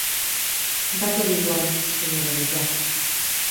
Dá todo igual, señor Abellá.